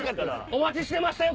お待ちしてましたよ！